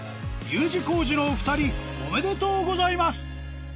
Ｕ字工事のお２人おめでとうございます